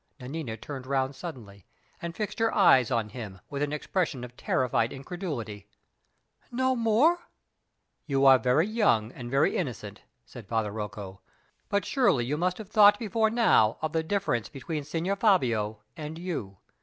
Nanina turned round suddenly, and fixed her eyes on him, with an expression of terrified incredulity. "No more?" "You are very young and very innocent," said Father Rocco; "but surely you must have thought before now of the difference between Signor Fabio and you.